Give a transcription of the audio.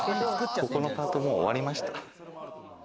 ここのパート、もう終わりました？